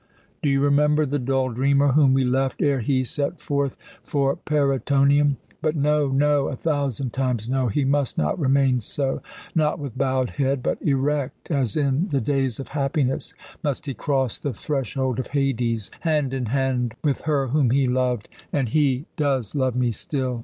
Do you remember the dull dreamer whom we left ere he set forth for Parætonium? But no, no, a thousand times no, he must not remain so! Not with bowed head, but erect as in the days of happiness, must he cross the threshold of Hades, hand in hand with her whom he loved. And he does love me still.